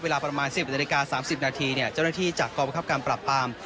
เวลาประมาณ๑๐นาฬิกา๓๐นาทีเจ้าหน้าที่จากกองประคับการปรับปราม